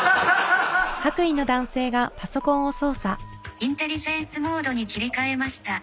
「インテリジェンスモードに切り替えました」